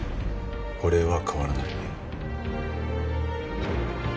これは変わらない。